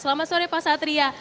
selamat sore pak satria